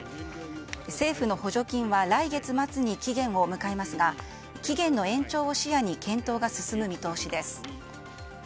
政府の補助金は来月末に期限を迎えますが期限の延長を視野に検討が進む見通しです。